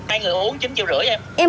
hai người uống chín triệu rưỡi em